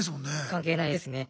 関係ないですね。